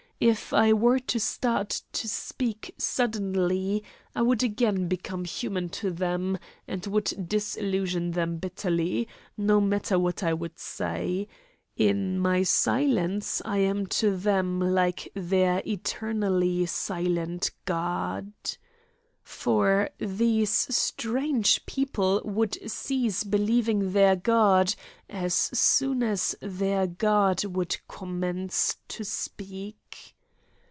If I were to start to speak suddenly, I would again become human to them and would disillusion them bitterly, no matter what I would say; in my silence I am to them like their eternally silent God. For these strange people would cease believing their God as soon as their God would commence to speak.